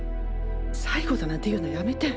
最後だなんて言うのはやめて。